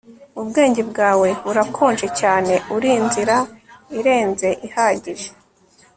ubwenge bwawe burakonje cyane. urinzira irenze ihagije